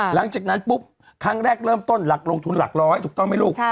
หลังจากนั้นปุ๊บครั้งแรกเริ่มต้นหลักลงทุนหลักร้อยถูกต้องไหมลูก